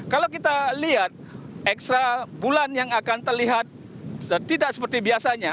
kalau kita lihat ekstra bulan yang akan terlihat tidak seperti biasanya